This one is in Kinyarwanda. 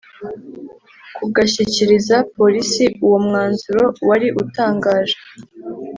kugashyikiriza polisi Uwo mwanzuro wari utangaje